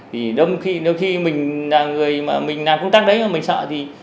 thì đôi khi mình làm công tác đấy mà mình sợ thì